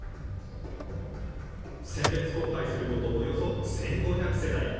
選別交配すること、およそ１５００世代。